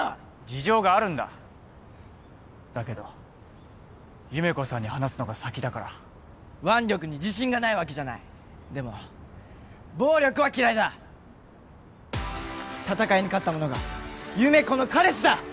事情があるんだだけど優芽子さんに話すのが先だから腕力に自信がないわけじゃないでも暴力は嫌いだ戦いに勝った者が優芽子の彼氏だ！